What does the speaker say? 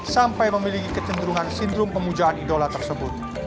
sampai memiliki kecenderungan sindrom pemujaan idola tersebut